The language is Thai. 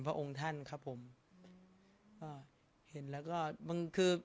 สงฆาตเจริญสงฆาตเจริญ